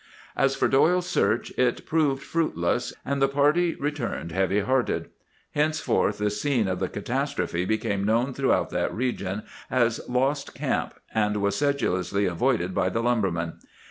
"As for Doyle's search, it proved fruitless, and the party returned heavy hearted. Henceforth the scene of the catastrophe became known throughout that region as 'Lost Camp,' and was sedulously avoided by the lumbermen.